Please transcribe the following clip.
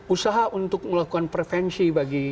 usaha untuk melakukan prevensi